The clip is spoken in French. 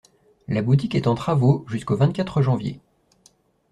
La boutique est en travaux jusqu'au vingt-quatre janvier.